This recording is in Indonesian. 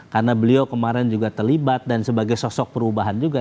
karena beliau kemarin juga terlibat dan sebagai sosok perubahan juga